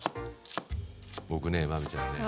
僕ね真海ちゃんね。